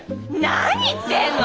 何言ってんの！